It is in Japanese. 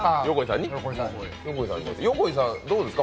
横井さん、どうですか？